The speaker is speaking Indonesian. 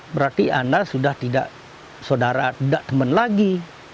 berarti anda sudah tidak saudara tidak teman lagi